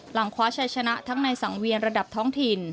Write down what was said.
คว้าชัยชนะทั้งในสังเวียนระดับท้องถิ่น